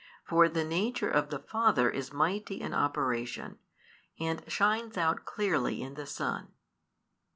For the |263 nature of the Father is mighty in operation, and shines out clearly in the Son.